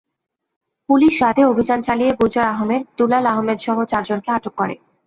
Police রাতেই অভিযান চালিয়ে গুলজার আহমদ, দুলাল আহমদসহ চারজনকে আটক করে।